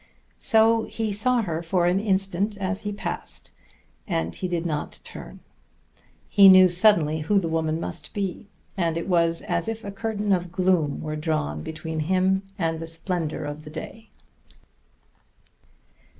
So he saw her for an instant as he passed, and he did not turn. He knew suddenly who the woman must be, and it was as if a curtain of gloom were drawn between him and the splendor of the day.